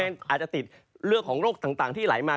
อาจจะติดเรื่องของโรคต่างที่ไหลมา